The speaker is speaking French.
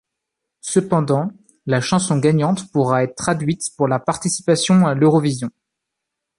Cependant, la chanson gagnante pourra être traduite pour la participation à l'Eurovision.